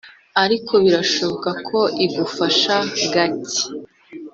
ariko birashoboka ko igufasha gake,